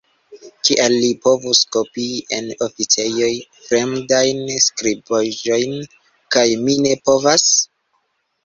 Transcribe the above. Kial li povus kopii en oficejoj fremdajn skribaĵojn, kaj mi ne povas?